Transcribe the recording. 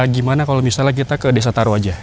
gimana kalau misalnya kita ke desa taru aja